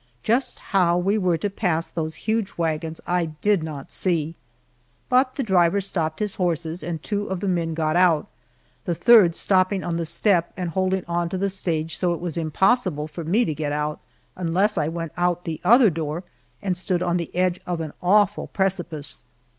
Just how we were to pass those huge wagons I did not see. But the driver stopped his horses and two of the men got out, the third stopping on the step and holding on to the stage so it was impossible for me to get out, unless I went out the other door and stood on the edge of an awful precipice.